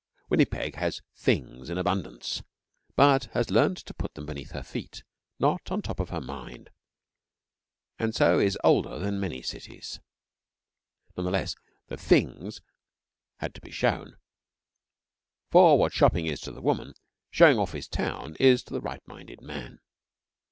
Winnipeg has Things in abundance, but has learned to put them beneath her feet, not on top of her mind, and so is older than many cities. None the less the Things had to be shown for what shopping is to the woman showing off his town is to the right minded man.